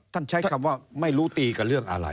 ใช้คำว่าไม่รู้ตีกับเรื่องอะไร